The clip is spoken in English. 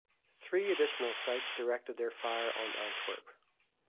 Three additional sites directed their fire on Antwerp.